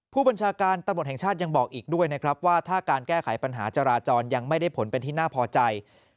ผู้บัญชาการตำรวจแห่งชาติยังบอกอีกด้วยนะครับว่าถ้าการแก้ไขปัญหาจราจรยังไม่ได้ผลเป็นที่น่าพอใจ